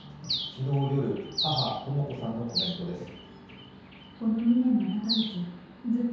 昨日夜、母・とも子さんのコメントです。